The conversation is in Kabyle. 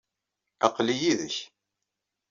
Aql-i yid-k.